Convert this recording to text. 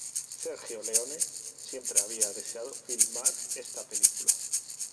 Sergio Leone siempre había deseado filmar esta película.